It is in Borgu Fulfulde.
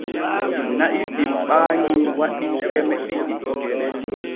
Na'i ɗim ɓaanyi waɗii keme ɗiɗi.